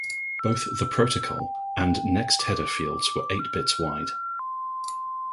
Both the "Protocol" and "Next Header" fields are eight bits wide.